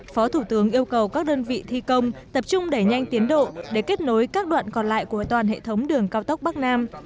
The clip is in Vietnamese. phó thủ tướng yêu cầu các đơn vị thi công tập trung đẩy nhanh tiến độ để kết nối các đoạn còn lại của toàn hệ thống đường cao tốc bắc nam